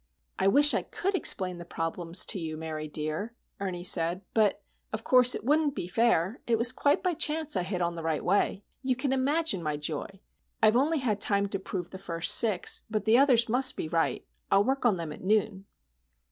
"I wish I could explain the problems to you, Mary dear," Ernie said. "But, of course, it wouldn't be fair. It was quite by chance I hit on the right way. You can imagine my joy! I have only had time to prove the first six, but the others must be right. I'll work on them at noon."